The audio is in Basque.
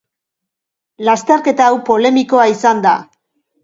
Lasterketa hau polemikoa izan da.